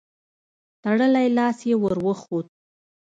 تړلی لاس يې ور وښود.